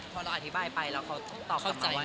พอเราอธิบายไปแล้วเขาตอบกันว่าไง